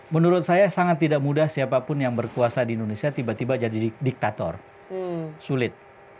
menurut saya sangat tidak mudah siapapun yang berkuasa di indonesia tiba tiba jadi diktator sulit